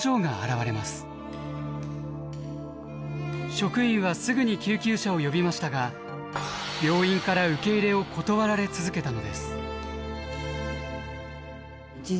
職員はすぐに救急車を呼びましたが病院から受け入れを断られ続けたのです。